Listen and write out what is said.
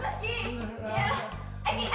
aduh berapa sih